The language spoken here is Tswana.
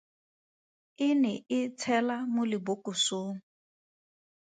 E ne e tshela mo lebokosong.